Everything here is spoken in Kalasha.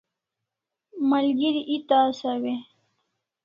Malgeri eta asaw e?